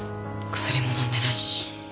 薬ものんでないし。